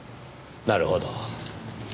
なるほど。